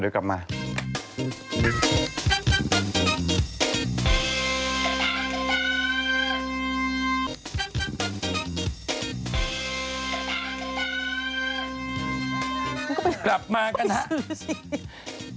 มันก็ไปซื้อสิกลับมากันฮะ